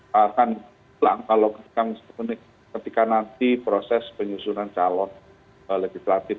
bahkan kalau ketika nanti proses penyusunan calon legislatif